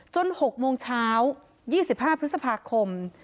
๖โมงเช้า๒๕พฤษภาคม